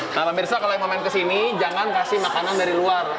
nah pemirsa kalau mau main kesini jangan kasih makanan dari luar